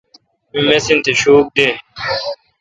مہ مسین تھ شوک دین۔